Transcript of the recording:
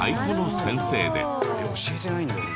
教えてないんだよね？